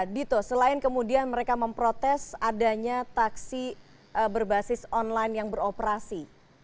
dito selain kemudian mereka memprotes adanya taksi berbasis online yang beroperasi